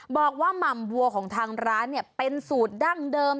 บอกว่ามำบัวของทางร้านเนี่ยเป็นสูตรดั้งเดิม